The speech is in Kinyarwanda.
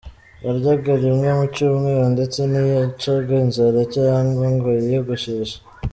Yaryaga rimwe mu cyumweru ndetse ntiyacaga inzara cyangwa ngo yiyogosheshe.